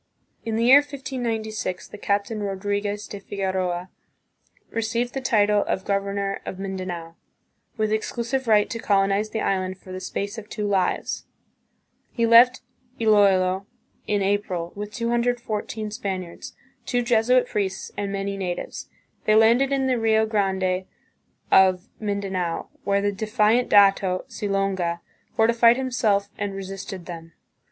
In the year 1596, the Captain Rodriguez de Figueroa received the title of governor of Mindanao, with exclusive right to colonize the island for "the space of two lives." He left Iloilo in April with 214 Spaniards, two Jesuit priests, and many natives. They landed in the Rio Grande of Mindanao, where the defiant dato, Silonga, fortified himself and re sisted them.